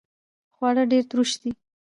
خواړه ډیر تروش دي